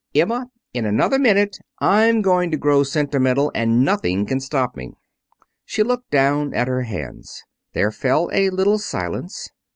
"Emma, in another minute I'm going to grow sentimental, and nothing can stop me." She looked down at her hands. There fell a little silence.